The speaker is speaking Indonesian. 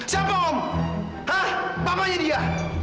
siapa om hah papanya dia